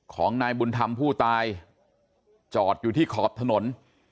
ของนายบุญธรรมผู้ตายจอดอยู่ที่ขอบถนน